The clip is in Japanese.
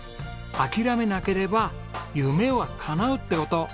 諦めなければ夢はかなうって事。